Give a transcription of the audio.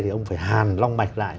thì ông phải hàn long mạch lại